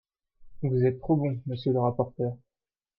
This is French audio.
Vous êtes trop bon, monsieur le rapporteur